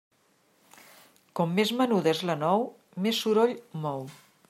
Com més menuda és la nou, més soroll mou.